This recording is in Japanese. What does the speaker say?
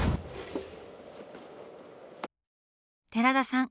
寺田さん